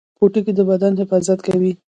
پوټکی د بدن محافظت کوي